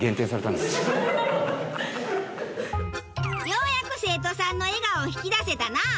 ようやく生徒さんの笑顔を引き出せたなあ。